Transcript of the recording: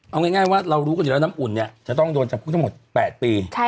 เอาง่ายว่าเรารู้กันอยู่แล้วน้ำอุ่นเนี่ยจะต้องโดนจับคุกทั้งหมด๘ปี